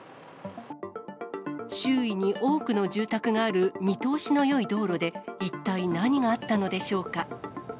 周囲に多くの住宅がある見通しのよい道路で、一体何があったのでしょうか。